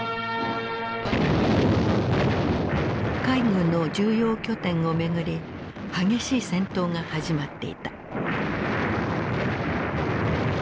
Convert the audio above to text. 海軍の重要拠点を巡り激しい戦闘が始まっていた。